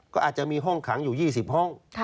ก็อาจจะมีห้องขังอยู่๒๐ห้อง